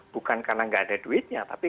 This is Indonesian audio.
bukan karena nggak ada duitnya tapi